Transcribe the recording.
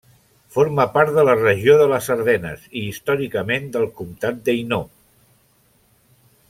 Forma part de la regió de les Ardenes i històricament del comtat d'Hainaut.